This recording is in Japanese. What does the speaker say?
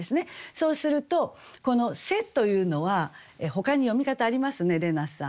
そうするとこの「背」というのはほかに読み方ありますね怜奈さん。